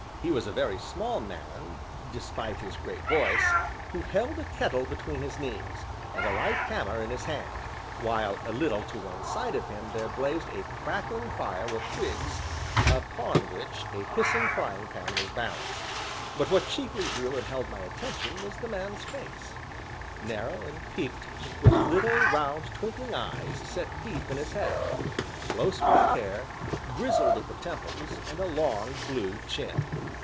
He was a very small man despite his great voice, who held a kettle between his knees, and a light hammer in his hand, while a little to one side of him there blazed a crackling fire of twigs upon which a hissing frying pan was balanced. But what chiefly drew and held my attention was the man's face; narrow and peaked, with little, round, twinkling eyes set deep in his head, close black hair, grizzled at the temples, and a long, blue chin.